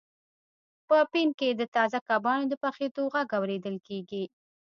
په پین کې د تازه کبانو د پخیدو غږ اوریدل کیږي